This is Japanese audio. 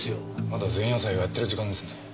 まだ前夜祭をやってる時間ですね。